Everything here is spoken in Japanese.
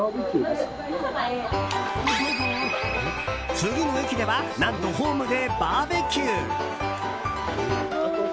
次の駅では何と、ホームでバーベキュー！